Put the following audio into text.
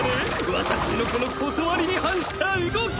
私のこのことわりに反した動き！